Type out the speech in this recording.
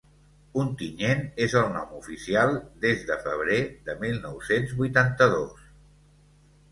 Ontinyent és el nom oficial des de febrer de mil nou-cents vuitanta-dos.